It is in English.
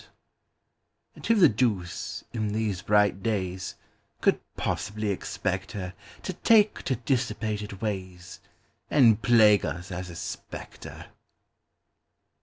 And who the deuce, in these bright days, Could possibly expect herTo take to dissipated ways, And plague us as a spectre?